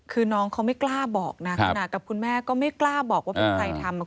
คือน้องเขาไม่กล้าบอกนะขณะกับคุณแม่ก็ไม่กล้าบอกว่าเป็นใครทำ